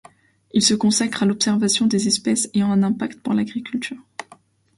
Il se consacre à l’observation des espèces ayant un impact pour l’agriculture.